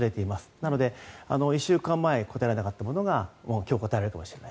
なので１週間前答えられなかったものが今日、答えられるかもしれない。